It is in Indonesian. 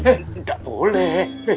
eh gak boleh